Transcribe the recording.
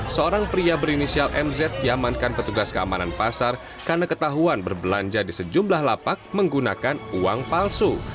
seorang pria berinisial mz diamankan petugas keamanan pasar karena ketahuan berbelanja di sejumlah lapak menggunakan uang palsu